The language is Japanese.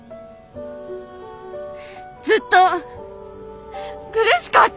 ずっと苦しかった！